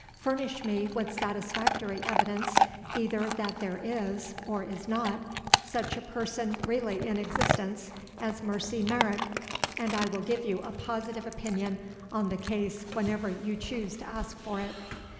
Furnish me with satisfactory evidence either that there is, or is not, such a person really in existence as Mercy Merrick, and I will give you a positive opinion on the case whenever you choose to ask for it.